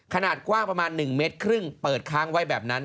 ขนาดกว้างประมาณ๑เมตรครึ่งเปิดค้างไว้แบบนั้น